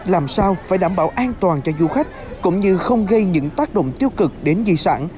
làm sao phải đảm bảo an toàn cho du khách cũng như không gây những tác động tiêu cực đến di sản